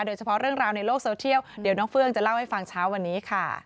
โดยเฉพาะเรื่องราวในโลกโซเทียลเดี๋ยวน้องเฟืองจะเล่าให้ฟังเช้าวันนี้ค่ะ